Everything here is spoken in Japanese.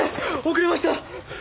遅れました！